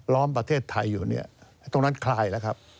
ล้อมประเทศไทยอยู่เนี่ยตรงนั้นคลายแล้วครับ